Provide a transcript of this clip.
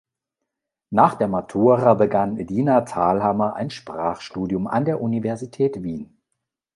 Nach der Matura begann Edina Thalhammer ein Sprachstudium an der Universität Wien.